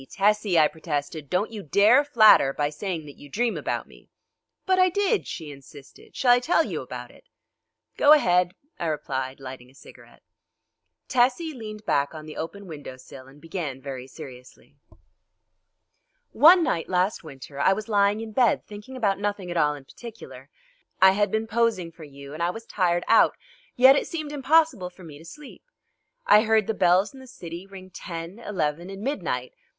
Tessie!" I protested, "don't you dare flatter by saying that you dream about me!" "But I did," she insisted; "shall I tell you about it?" "Go ahead," I replied, lighting a cigarette. Tessie leaned back on the open window sill and began very seriously. "One night last winter I was lying in bed thinking about nothing at all in particular. I had been posing for you and I was tired out, yet it seemed impossible for me to sleep. I heard the bells in the city ring ten, eleven, and midnight.